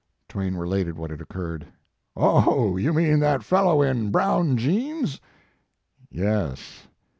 Twain related what had occurred. "Oh, you mean that fellow in brown jeans?" "Yes."